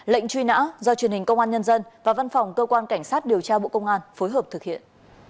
lệnh truy nã do truyền hình công an nhân dân và văn phòng cơ quan cảnh sát điều tra bộ công an phối hợp thực hiện